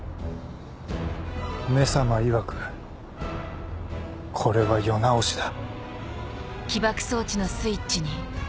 「め様」いわくこれは世直しだ。